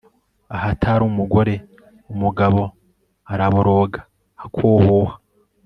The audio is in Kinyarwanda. ahatari umugore, umugabo araboroga, akohoha